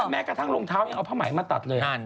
แม้กระทั่งรองเท้ายังเอาผ้าไหมมาตัดเลย